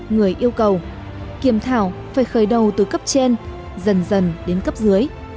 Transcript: người yêu cầu kiềm thảo phải khởi đầu từ cấp trên dần dần đến cấp dưới